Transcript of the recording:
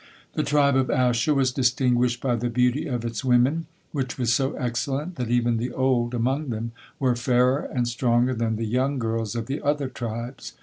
The tribe of Asher was distinguished by the beauty of its women, which was so excellent that even the old among them were fairer and stronger than the young girls of the other tribes.